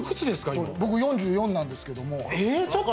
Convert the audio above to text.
今僕４４なんですけどもえっ？